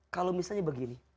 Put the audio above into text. kalau misalnya begini